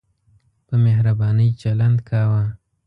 په مهربانۍ چلند کاوه.